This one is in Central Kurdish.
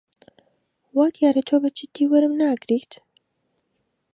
وا دیارە تۆ بە جددی وەرم ناگریت.